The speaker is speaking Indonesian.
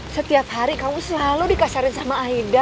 setiap hari kamu selalu dikasarin sama aida